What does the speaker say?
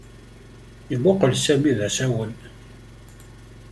Yemmuqqel Sami d asawen.